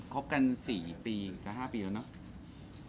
คบกัน๔ปีจะ๕ปีแล้วเนอะ